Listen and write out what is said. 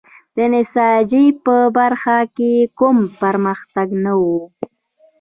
د نساجۍ په برخه کې کوم پرمختګ نه و.